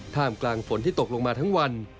กลางฝนที่ตกลงมาทั้งวัน